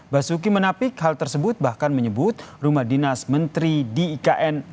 basuki menapik hal tersebut bahkan menyebut rumah dinas menteri di ikn